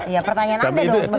ya pertanyaan anda dong